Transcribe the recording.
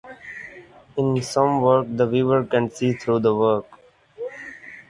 In some work the viewer can see through the work.